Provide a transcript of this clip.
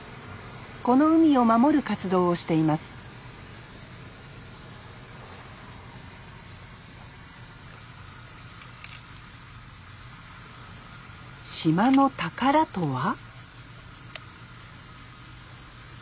この海を守る活動をしています島の宝とは？